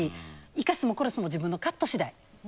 生かすも殺すも自分のカット次第。